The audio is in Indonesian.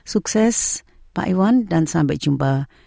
sukses pak iwan dan sampai jumpa